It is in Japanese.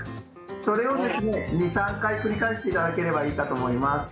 それをですね２３回繰り返していただければいいかと思います。